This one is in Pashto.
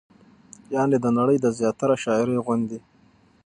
يعنې د نړۍ د زياتره شاعرۍ غوندې